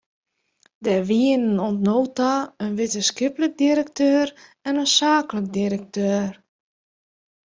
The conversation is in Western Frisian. Der wienen oant no ta in wittenskiplik direkteur en in saaklik direkteur.